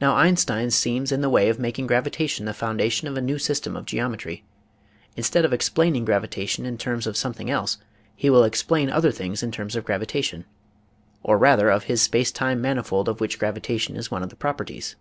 Now Einstein seems in the way of making gravita tion the foundation of a new system of geometry. In stead of explaining " gravitation in terms of some thing else he will explain other things in terms of THE WEIGHT OF LIGHT 93 gravitation, or rather of his space time manifold of which gravitation is one of the properties.